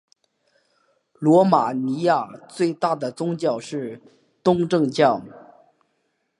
罗马尼亚最大的宗教是东正教。